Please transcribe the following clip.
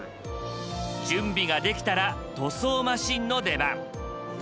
準備ができたら塗装マシンの出番。